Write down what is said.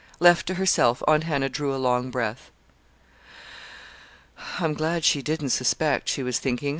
Left to herself, Aunt Hannah drew a long breath. "I'm glad she didn't suspect," she was thinking.